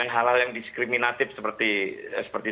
hal hal yang diskriminatif seperti